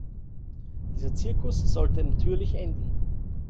Dieser "Zirkus" sollte natürlich enden!